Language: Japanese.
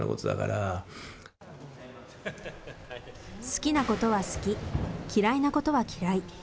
好きなことは好き、嫌いなことは嫌い。